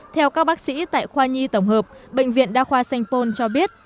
theo các bác sĩ tại khoa nhi tổng hợp bệnh viện đa khoa sanh pôn cho biết